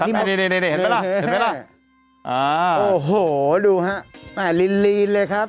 นี่เห็นไหมล่ะโอ้โหดูครับลีนเลยครับ